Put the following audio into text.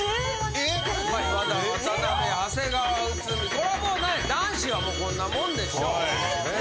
これはもう男子はこんなもんでしょう。